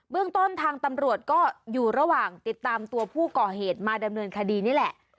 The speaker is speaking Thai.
เรื่องต้นทางตำรวจก็อยู่ระหว่างติดตามตัวผู้ก่อเหตุมาดำเนินคดีนี่แหละ